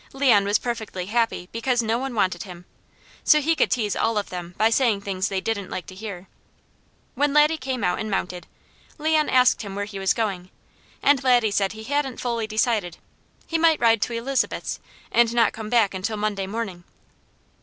Leon was perfectly happy because no one wanted him, so he could tease all of them by saying things they didn't like to hear. When Laddie came out and mounted, Leon asked him where he was going, and Laddie said he hadn't fully decided: he might ride to Elizabeth's, and not come back until Monday morning.